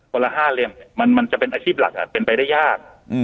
ละ๕เล่มมันจะเป็นอาชีพหลักเป็นไปได้ยาก